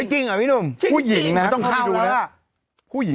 ไม่จริงอ่ะพี่หนุ่มผู้หญิงจริงจริงคุณต้องเข้าไปดูน่ะผู้หญิง